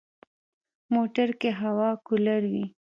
موټر کې هوا کولر وي.